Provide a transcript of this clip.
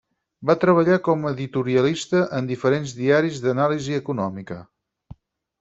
Va treballar com a editorialista en diferents diaris d'anàlisi econòmica.